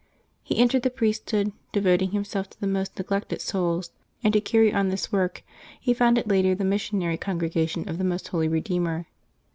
He entered the priesthood, devoting himself to the most neg lected souls; and to carry on this work he founded later the missionary Congregation of the Most Holy Eedeemer.